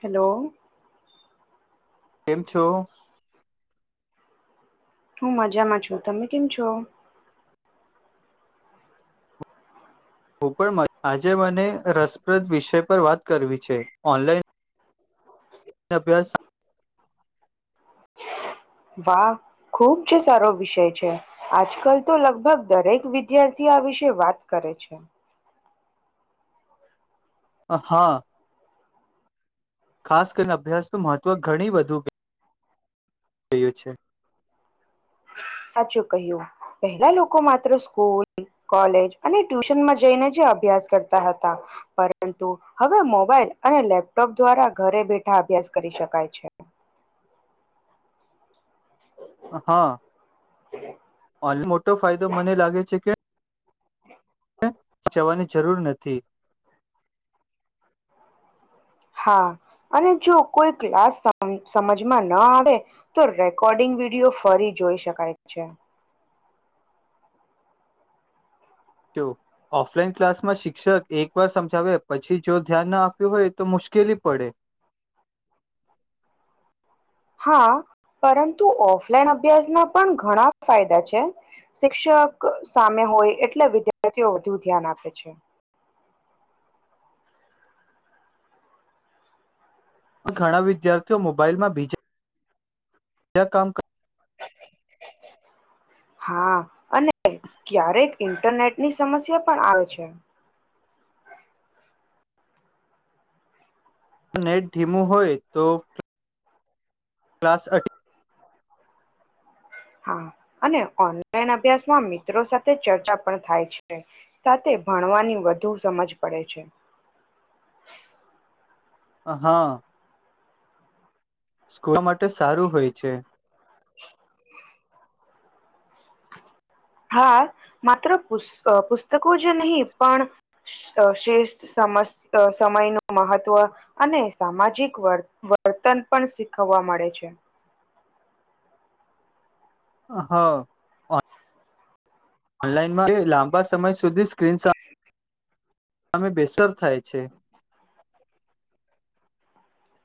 Hello. કેમ છો? હું મજામાં છું તમે કેમ છો? હું પણ આજે મને રસપ્રદ વિષય પર વાત કરવી છે ઓનલાઈન અભ્યાસ વાહ ખુબ જ સારો વિષય છે આજકાલ તો લગભગ દરેક વિદ્યાર્થી આ વિશે વાત કરે છે. હા. ખાસ કરીને અભ્યાસનું મહત્વ ઘણી વધુ કે કહ્યું છે. સાચું કહ્યું પહેલા લોકો માત્ર સ્કૂલ, કોલેજ અને ટ્યુશનમાં જઈને જ અભ્યાસ કરતા હતા પરંતુ હવે મોબાઈલ અને લેપટોપ દ્વારા ઘરે બેઠા અભ્યાસ કરી શકાય છે. હા અને મોટો ફાયદો મને લાગે છે કે [inaudible] જવાની જરૂર નથી. હા અને જો કોઈ ક્લાસ સમજમાં ન આવે તો રેકોર્ડિંગ વિડીયો ફરી જોઈ શકાય છે. જો ઓફલાઈન ક્લાસમાં શિક્ષક એક વાર સમજાવે પછી જો ધ્યાન ના આપ્યું હોય તો મુશ્કેલી પડે. હા પરંતુ ઓફલાઈન અભ્યાસના પણ ઘણા ફાયદા છે શિક્ષક સામે હોય એટલે વિદ્યાર્થીઓ વધુ ધ્યાન આપે છે. ઘણા વિદ્યાર્થી તેઓ મોબાઈલમાં બીજા બજા કામ કર હા અને ક્યારેક ઇન્ટરનેટ ની સમસ્યા પણ આવે છે. નેટ ધીમું હોય તો ક્લાસ અઠ હા અને ઓનલાઈન અભ્યાસમાં મિત્રો સાથે ચર્ચા પણ થાય છે સાથે ભણવાની વધુ સમજ પડે છે. હા. શીખવા માટે સારું હોય છે. હા માત્ર પુસ પુસ્તકો જ નહીં પણ શ્રેષ સમસ્ત સમય ન મહત્વ અને સામાજિક વર્તન પણ શીખવવા મળે છે હા ઓનલાઈનમાં લાંબા સમય સુધી સ્ક્રીન શ અમે બેસર થાય છે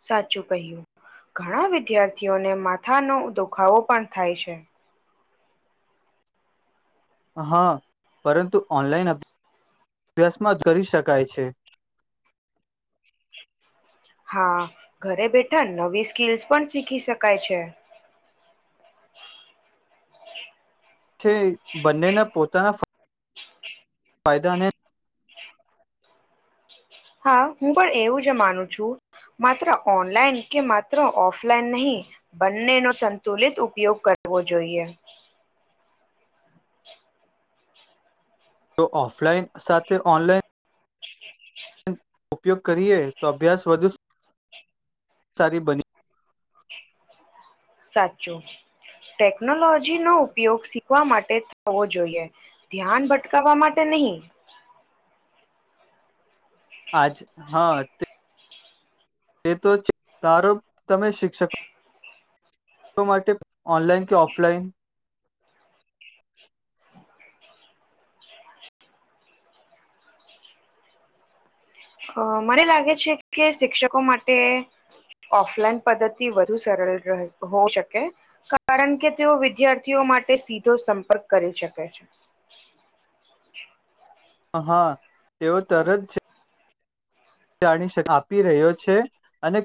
સાચું કહ્યું ઘણા વિદ્યાર્થીઓને માથાનો દુખાવો પણ થાય છે હા પરંતુ ઓનલાઈન અભ્યાસમાં જ કરી શકાય છે હા ઘરે બેઠા નવી સ્કીલસ પણ શીખી શકાય છે છે બંનેના પોતાના ફાયદા અને હા હું પણ એવું જ માનું છું માત્ર ઓનલાઈન કે માત્ર ઓફલાઈન નહીં બંનેનો સંતુલિત ઉપયોગ કરવો જોઈએ જો ઓફલાઈન સાથે ઓનલાઈન ઉપયોગ કરીએ તો અભ્યાસ વધુ સારી બની સાચું ટેકનોલોજી નો ઉપયોગ શીખવા માટે થવો જોઈએ ધ્યાન ભટકાવવા માટે નહી આજ હા તે એ તો ચ તારો તમે શિક્ષકો માટે ઓનલાઈન કે ઓફલાઈન અ મને લાગે છે કે શિક્ષકો માટે ઓફલાઈન પદ્ધતિ વધુ સરળ હો શકે કારણ કે તેઓ વિદ્યાર્થીઓ માટે સીધો સંપર્ક કરી શકે છે હ હા તેઓ તરત છે જાણી શ આપી રહ્યો છે અને.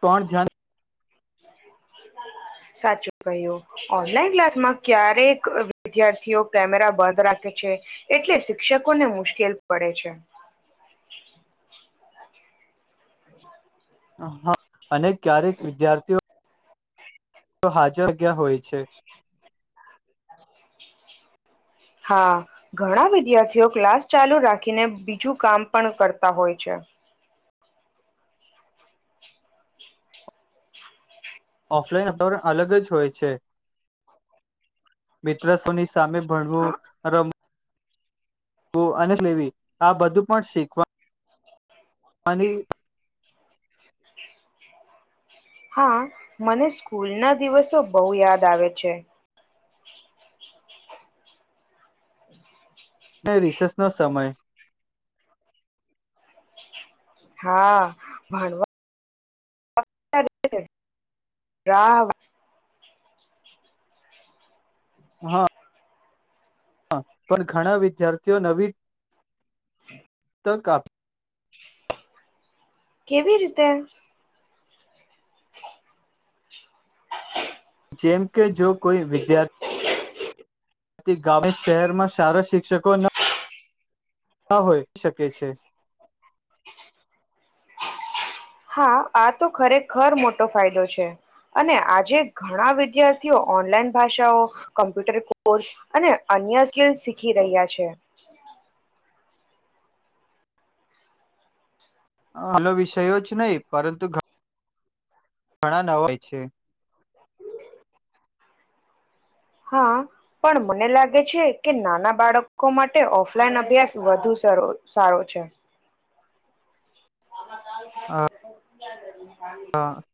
તોણ ધ્યાન. સાચું કહ્યું ઓનલાઈન ક્લાસમાં ક્યારેક વિદ્યાર્થીઓ કેમેરા બંધ રાખે છે એટલે શિક્ષકોને મુશ્કેલ પડે છે. હા અને ક્યારેક વિદ્યાર્થીઓ તો હાજર ગયા હોય છે [unintelligible] હા ઘણા વિદ્યાર્થીઓ ક્લાસ ચાલુ રાખીને બીજું કામ પણ કરતા હોય છે ઓફલાઈન અતારણ અલગ જ હોય છે મિત્ર સોની સ સામે ભણવું અને લેવી આ બધું પણ શીખ વાની. હા મને સ્કૂલના દિવસો બહુ યાદ આવે છે. અને રિસેસનો સમય. હા ભણવા. રા [unintelligible] હા પણ ઘણા વિદ્યાર્થીઓ નવી તકપ કેવી રીતે. જેમ કે જો. કોઈ વિદ્યાર્થી. [inaudible] થી ગામે શહેરમાં શારા શિક્ષકોના. ના હોય શકે છે. હા આ તો ખરેખર મોટો ફાયદો છે અને આજે ઘણા વિદ્યાર્થીઓ ઓનલાઈન ભાષાઓ કમ્પ્યુટર કોર્સ અને અન્ય સ્કીલ શીખી રહ્યા છે. હાલ વિષયો જ નહીં પરંતુ ઘણા ઘણા નવાય છે. હા પણ મને લાગે છે કે નાના બાળકો માટે ઓફલાઈન અભ્યાસ વધુ સારો છે. હા [unintelligible] હા. બ બને [unintelligible] હા [unintelligible]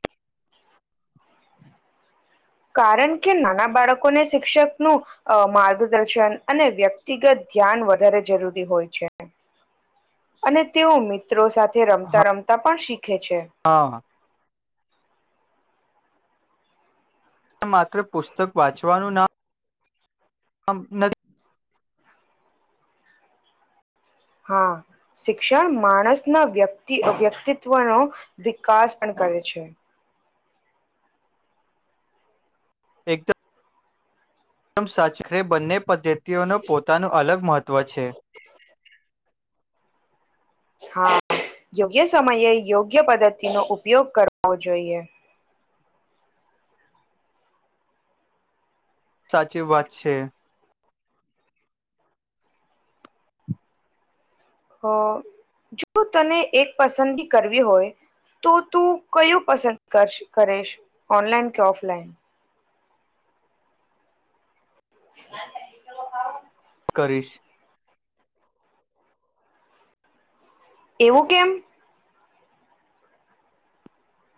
કારણ કે નાના બાળકોને શિક્ષકનું, માર્ગદર્શન અને વ્યક્તિગત ધ્યાન વધારે જરૂરી હોય છે, અને તેઓ મિત્રો સાથે રમતા હા રમતા પણ શ ર ખે છે. એ માત્ર પુસ્તક વાંચવાનું નામ અમ ન હા, શિક્ષણ માણસના વ્યક્તિ વ્યક્તિત્વનો વિકાસ પણ કરે છે. એકદમમ સાચરે બંને પદ્ધતિઓનું પોતાનું અલગ મહત્ત્વ છે. હા, યોગ્ય સમયે યોગ્ય પદ્ધતિનો ઉપયોગ કરવો જોઈએ. સાચી વાત છે. હ જો તને એક પસંદગી કરવી હોય, તો તું કયું પસંદ કરીશ ઓનલાઈન કે ઓફલાઈન. [inaudible] કરીશ. એવું કેમ?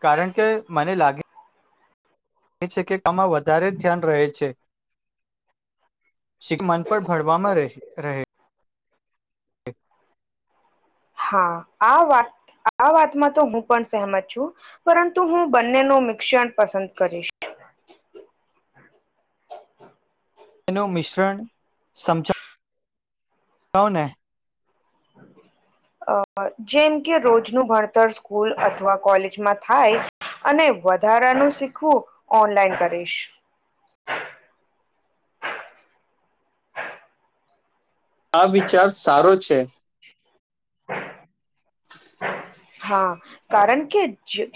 કારણ કે મને લાગે છે, કે આમાં વધારે ધ્યાન રહે છે, મન પણ ભળવામાં રહે. હા આ વાત આ વાતમાં તો હું પણ સહેમત છું, પરંતુ હું બંને ન મિશ્રણ પસંદ કરીશ. તેનું મિશ્રણ સમજાય કવને. અ જેમ કે રોજનું ભણતર, સ્કૂલ અથવા કોલેજ માં થાય, અને વધારા નું શીખવું, ઓનલાઈન કરીશ. આ વિચાર સારો છે. છે. હા, કારણ કે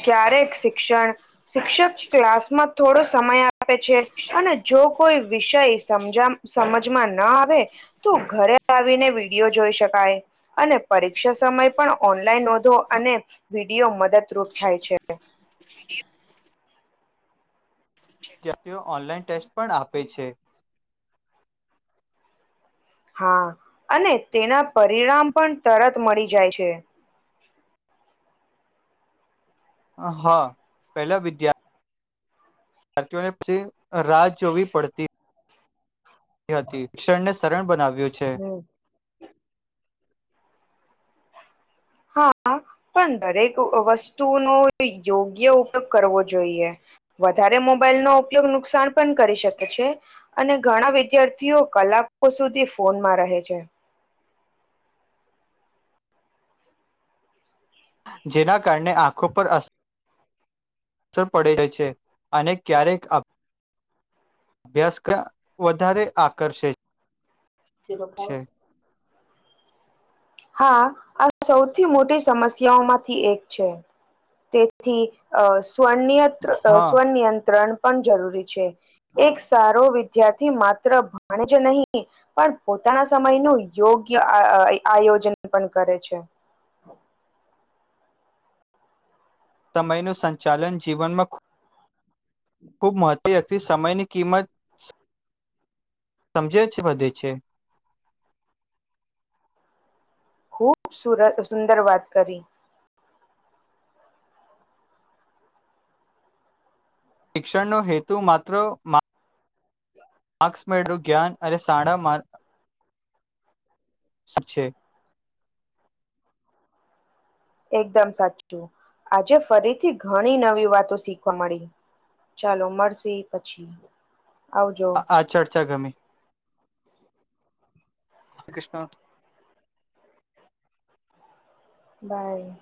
ક્યારેક શિક્ષણ શિક્ષક ક્લાસ માં થોડો સમય સમય આપે છે અને જો કોઈ વિષય સમજ સમજમાં ના આવે, તો ઘરે આવીને વિડીિયો જોઈ શકાય, અને પરીક્ષા સમય પણ ઓનલાઈન નોંધો અને, વિડીયો મદદરૂપ થાય છે. હ [unintelligible] ત્યારે તેઓ ઓનલાઈન ટેસ્ટ પણ આપે છે. હા, અને તેના પરિણામ પણ તરત મળી જાય છે. હા, પેલા વિદ્યાર્થીને ભરતીઓ ને પછી રાહ જોવી પડતી હતી, શિક્ષણ ને સરળ બનાવ્યું છે. હમ હા, પણ દરેક વસ્તુનો ઓ યોગ્ય ઉપયોગ કરવો જોઈએ, વધારે મોબાઈલ નો ઉપયોગ નુકસાન પણ કરી શકે છે. અને ઘણા વિદ્યાર્થીઓ કલાકો સુધી ફોનમાં રહે છે. જેના કારણે આંખો પર અસર અસર પડે જાય છે, અને ક્યારેક અભ્યાસક્રમ વધારે આકર્ષે છે. જે વખત હા, આ સૌથી મોટી સમસ્યા ઓ માંથી એક છે. તેથી સ્વનિયંત હા સ્વનિયંત્રણ પણ જરૂરી છે. એક સારો વિદ્યાર્થી માત્ર ભણે જ નહીં પણ પોતાના સમયનું યોગ્ય. આયોજન પણ કરે છે. સમયનું સંચાલન જીવનમાં ખૂબ. ખુબ મહત્વનુ, વ્યક્તિ સમયની કિંમત સમજે વધે છે. ખૂબ સુરત સુંદર વાત કરી. શિક્ષણનો હેતુ માત્ર, [unintelligible] માર્ક્સ મેળવું જ્ઞાન અરે સારા માર્કસ છેે. [unintelligible] એકદમ સાચું આજે ફરીથી ઘણી નવી વાતો શીખવા મળી ચાલો મળશે પછી. આવજો આ ચર્ચા ગમી. હરે કૃષ્ણ. [unintelligible] બાય.